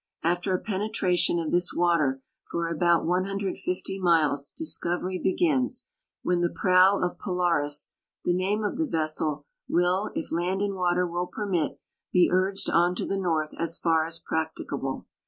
After a penetra tion of this water for about 150 miles discovery begins, when the prow of J'olaris (the name of the vessel) will, if land and water will permit, he >irged on to the north as far as practicable.